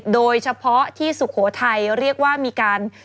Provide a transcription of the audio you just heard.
โดยเฉพาะที่สุโขทัยเรียกว่ามีการ